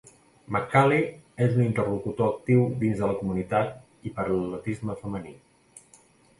McCallie és un interlocutor actiu dins de la comunitat i per a l'atletisme femení.